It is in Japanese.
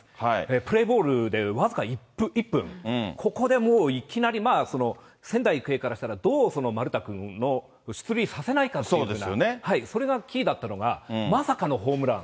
プレーボールで僅か１分、ここでもういきなり、仙台育英からしたら、どう丸田君の、出塁させないかという、それがキーだったのが、まさかのホームラン。